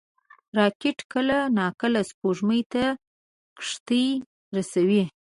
راکټ کله ناکله سپوږمۍ ته کښتۍ رسوي